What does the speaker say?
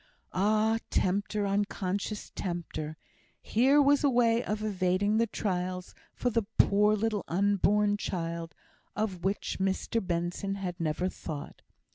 Ah, tempter! unconscious tempter! Here was a way of evading the trials for the poor little unborn child, of which Mr Benson had never thought.